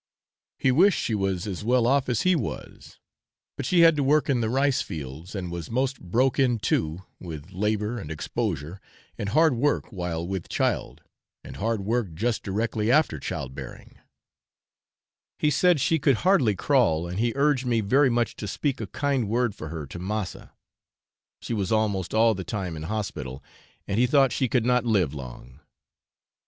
He wished she was as well off as he was, but she had to work in the rice fields and was 'most broke in two' with labour and exposure and hard work while with child, and hard work just directly after child bearing; he said she could hardly crawl, and he urged me very much to speak a kind word for her to massa. She was almost all the time in hospital, and he thought she could not live long.